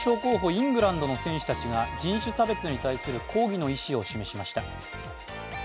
イングランドの選手たちが人種差別に対する抗議の意志を示しました。